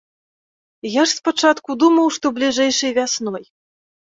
Я ж спачатку думаў, што бліжэйшай вясной.